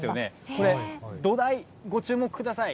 これ、土台、ご注目ください。